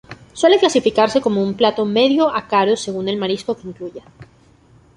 Suele clasificarse como un plato medio o caro según el marisco que incluya.